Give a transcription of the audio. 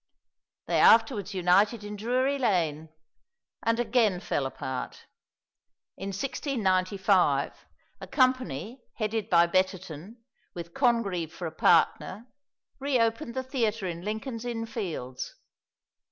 They afterwards united in Drury Lane, and again fell apart. In 1695 a company, headed by Betterton, with Congreve for a partner, re opened the theatre in Lincoln's Inn Fields.